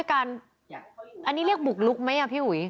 อันนี้เรียกบุกลุกไหมอ่ะพี่อุ๋ย